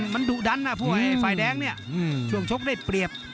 มันดุดันนะพวกฝ่ายแดงเนี่ยช่วงชกได้เปรียบ